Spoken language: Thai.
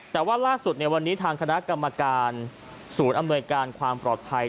แต่ว่าล่าสุดในวันนี้ทางคณะกรรมการศูนย์อำนวยการความปลอดภัย